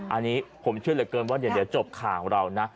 อันนี้ผมเชื่อเหลือเกินว่าเดี๋ยวจบข่าวของเรานะ